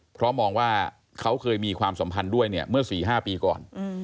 เพราะมองว่าเขาเคยมีความสัมพันธ์ด้วยเนี่ยเมื่อ๔๕ปีก่อน